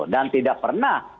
dan tidak pernah